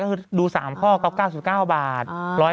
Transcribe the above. ก็คือดู๓ข้อก๊อฟ๙๙บาท